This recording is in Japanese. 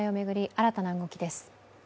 新たな動きです。